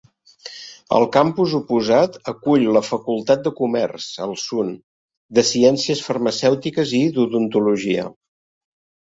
El campus oposat acull la facultat de comerç, Alsun, de ciències farmacèutiques i d'odontologia.